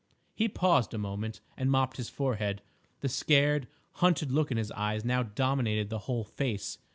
He paused a moment and mopped his forehead. The scared, hunted look in his eyes now dominated the whole face.